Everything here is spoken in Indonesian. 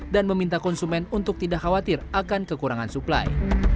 dan meminta konsumen untuk tidak khawatir akan kekurangan suplai